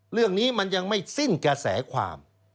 เรื่องนี้มันยังไม่สิ้นกระแสความ